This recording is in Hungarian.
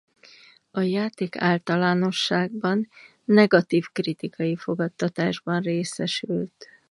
A játék általánosságban negatív kritikai fogadtatásban részesült.